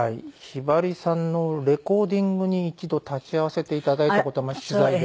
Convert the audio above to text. ひばりさんのレコーディングに一度立ち会わせて頂いた事が取材で。